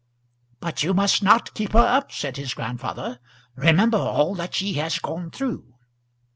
"But you must not keep her up," said his grandfather. "Remember all that she has gone through."